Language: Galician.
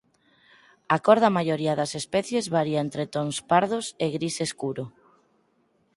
A cor da maioría das especies varía entre tons pardos e gris escuro.